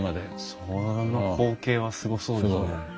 その光景はすごそうですね。